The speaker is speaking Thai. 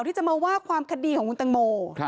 ที่จะมาว่าความคดีของคุณตังโม